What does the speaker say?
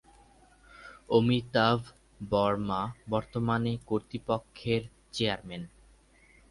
অমিতাভ বর্মা বর্তমানে কর্তৃপক্ষের চেয়ারম্যান।